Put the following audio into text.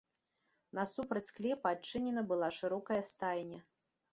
Насупраць склепа адчынена была шырокая стайня.